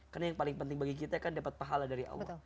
karena yang paling penting bagi kita kan dapat pahala dari allah